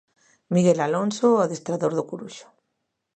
Miguel Alonso, adestrador do Coruxo.